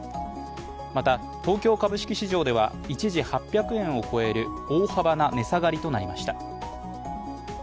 また東京株式市場では一時８００円を超える大幅な値下がりとなりました。